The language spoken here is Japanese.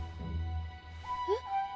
えっ。